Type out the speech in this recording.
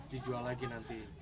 dijual lagi nanti